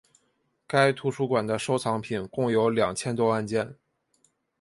该图书馆的收藏品共有两千多万件。